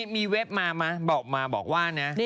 มีเว็บมาบอกว่า